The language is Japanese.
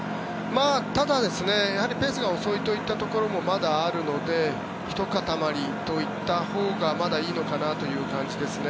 ただペースが遅いといったところもまだあるのでひと固まりと言ったほうがまだいいのかなという感じです。